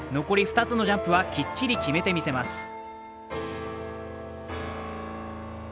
残り２つのジャンプはきっちり決めてみせます。